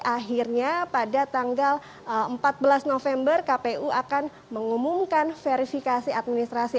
akhirnya pada tanggal empat belas november kpu akan mengumumkan verifikasi administrasi